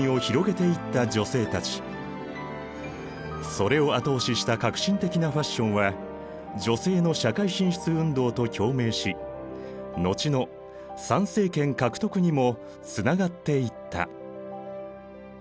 それを後押しした革新的なファッションは女性の社会進出運動と共鳴し後の参政権獲得にもつながっていった。